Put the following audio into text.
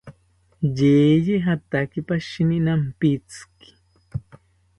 Yeye jataki pashini nampitzi